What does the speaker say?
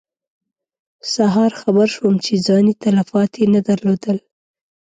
سهار خبر شوم چې ځاني تلفات یې نه درلودل.